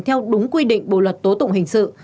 theo đúng quy định bộ luật tố tụng hình sự